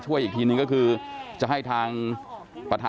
จะไม่เคลียร์กันได้ง่ายนะครับ